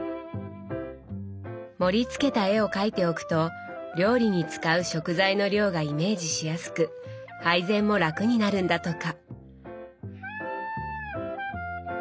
盛りつけた絵を描いておくと料理に使う食材の量がイメージしやすく配膳も楽になるんだとか。